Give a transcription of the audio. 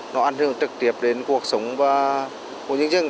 nó ảnh hưởng trực tiếp đến cuộc sống của nhân dân